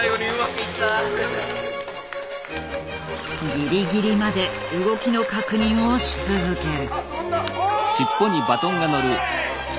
ギリギリまで動きの確認をし続ける。